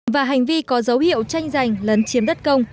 và hành vi có dấu hiệu tranh giành lấn chiếm đất công